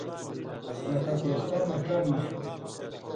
لَکھہ کوستاں مہ ڇا ماݜہ تھہ،